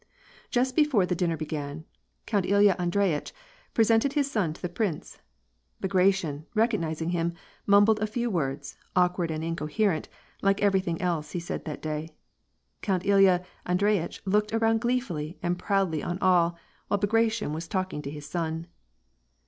Just before the dinner began. Count Ilya Andreyitch pre sented his son to the prince. Bagration, recognizing him, mumbled a few words, awkward and incoherent, like every thing else that he said that day. Count Ilya Andreyitch looked around gleefully and proudly on all, while Bagration was talk ing to his son.